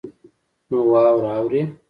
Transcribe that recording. نن واوره اوري